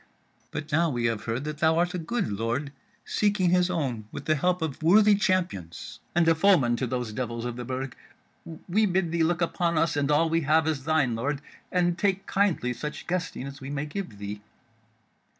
But now we have heard that thou art a good lord seeking his own with the help of worthy champions, and a foeman to those devils of the Burg, we bid thee look upon us and all we have as thine, lord, and take kindly such guesting as we may give thee."